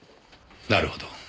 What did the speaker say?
なるほど。